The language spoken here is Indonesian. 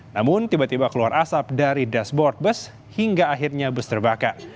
namun tiba tiba keluar asap dari dashboard bus hingga akhirnya bus terbakar